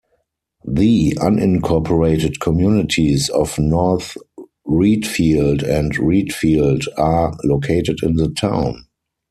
The unincorporated communities of North Readfield and Readfield are located in the town.